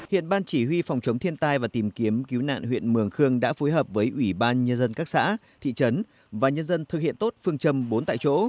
hiện ban chỉ huy phòng chống thiên tai và tìm kiếm cứu nạn huyện mường khương đã phối hợp với ủy ban nhân dân các xã thị trấn và nhân dân thực hiện tốt phương châm bốn tại chỗ